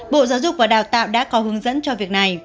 bộ giáo dục và đào tạo đã có hướng dẫn cho việc này